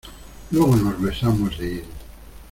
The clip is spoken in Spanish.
luego nos besamos y...